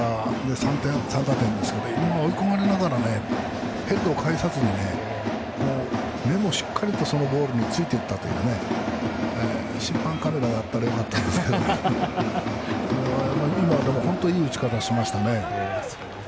先程はセンターオーバーで３打点ですけど追い込まれながらヘッドを返さずに目もしっかりとそのボールについていったという審判カメラがあればよかったんですけど本当にいい打ち方をしましたね。